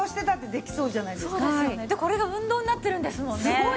これが運動になってるんですもんね。